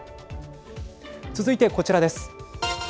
続いてこちらです。